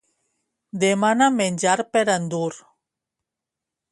Demana menjar per endur.